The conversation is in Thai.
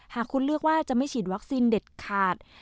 หากคุณเลือกว่าจะไม่ฉีดวัคซีนเด็ดขาด